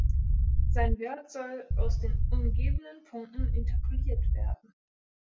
Sein Wert soll aus den umgebenden Punkten interpoliert werden.